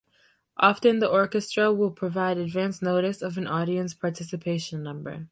Often the orchestra will provide advanced notice of an audience participation number.